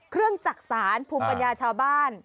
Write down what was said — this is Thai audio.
เครื่องจักษาภูมิปัญญาชาวบ้าน